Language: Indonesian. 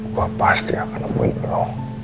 gua pasti akan nemuin lu